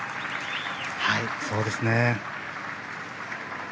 そうですね。